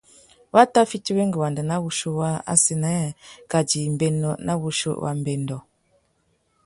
Wa tà fiti wenga wanda nà wuchiô waā assênē kā djï mbénô nà wuchiô wa mbêndô.